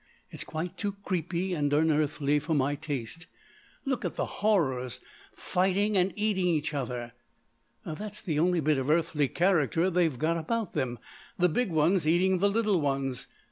It's quite too creepy and unearthly for my taste. Look at the horrors fighting and eating each other. That's the only bit of earthly character they've got about them; the big ones eating the little ones.